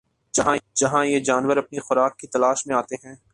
جہاں یہ جانور اپنی خوراک کی تلاش میں آتے ہیں